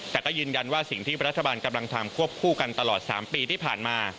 แต่ก็ยืนยันว่าสิ่งที่รัฐบาลกำลังทำควบคู่กันตลอด๓ปีที่ผ่านมา